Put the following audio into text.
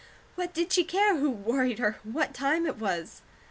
What did she care who worried or what time it was?